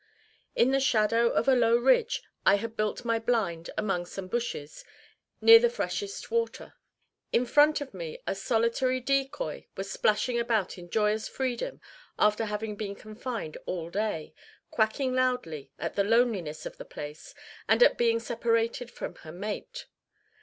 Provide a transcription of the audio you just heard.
In the shadow of a low ridge I had built my blind among some bushes, near the freshest water. In front of me a solitary decoy was splashing about in joyous freedom after having been confined all day, quacking loudly at the loneliness of the place and at being separated from her mate.